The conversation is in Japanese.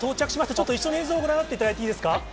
ちょっと一緒に映像ご覧になっていただいていいですか。